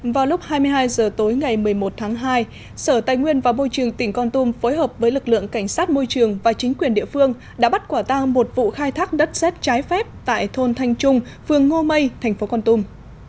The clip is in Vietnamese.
vào lúc hai mươi hai h tối ngày một mươi một tháng hai sở tài nguyên và môi trường tỉnh con tum phối hợp với lực lượng cảnh sát môi trường và chính quyền địa phương đã bắt quả tang một vụ khai thác đất xét trái phép tại thôn thanh trung phường ngô mây thành phố con tum